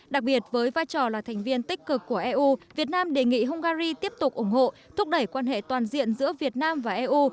đặc biệt với vai trò là thành viên tích cực của eu việt nam đề nghị hungary tiếp tục ủng hộ thúc đẩy quan hệ toàn diện giữa việt nam và eu